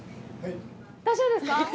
大丈夫ですか！？